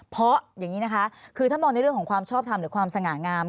เพราะอย่างนี้นะคะคือถ้ามองในเรื่องของความชอบทำหรือความสง่างาม